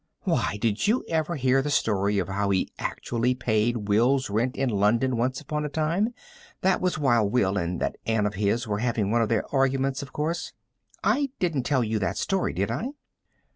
Why, did you ever hear the story of how he actually paid Will's rent in London once upon a time? That was while Will and that Anne of his were having one of their arguments, of course. I didn't tell you that story, did I?"